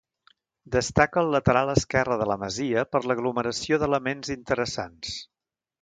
Destaca el lateral esquerre de la masia per l'aglomeració d'elements interessants.